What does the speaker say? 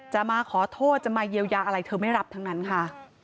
มาขอโทษจะมาเยียวยาอะไรเธอไม่รับทั้งนั้นค่ะ